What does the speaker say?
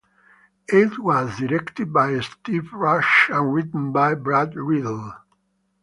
It was directed by Steve Rash and written by Brad Riddell.